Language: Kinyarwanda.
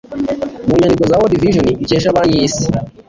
mu nyandiko za world vison ikesha banki y' isi